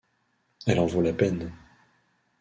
Elle en vaut la peine